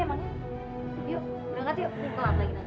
yuk udah gak tuh yuk